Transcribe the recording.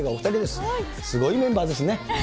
すごいメンバーですね。